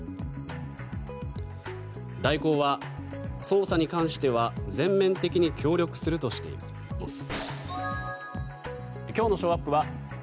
大広は、捜査に関しては全面的に協力するとしています。